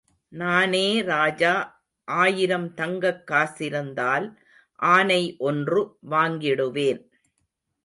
நானே ராஜா ஆயிரம் தங்கக் காசிருந்தால் ஆனை ஒன்று வாங்கிடுவேன்.